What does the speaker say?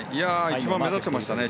一番目立っていましたね。